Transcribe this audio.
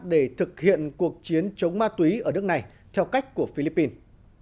để thực hiện cuộc chiến chống ma túy ở nước này theo cách của philippines